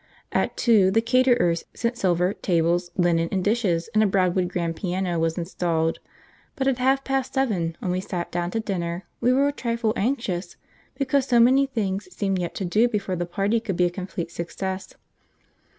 At two the caterers sent silver, tables, linen, and dishes, and a Broadwood grand piano was installed; but at half past seven, when we sat down to dinner, we were a trifle anxious, because so many things seemed yet to do before the party could be a complete success.